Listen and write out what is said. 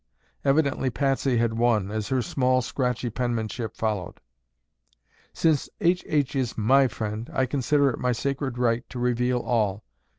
Evidently Patsy had won, as her small scratchy penmanship followed. "Since H. H. is my friend, I consider it my sacred right to reveal all.